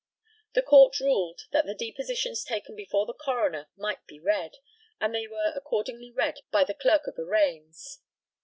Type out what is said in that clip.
The COURT ruled that the depositions taken before the coroner might be read; and they were accordingly read by the Clerk of Arraigns.